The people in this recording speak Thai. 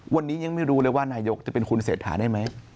วันนี้ยังไม่รู้เลยว่านายกจะเป็นคุณเศรษฐาได้ไหม